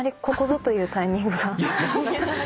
ここぞというタイミングが。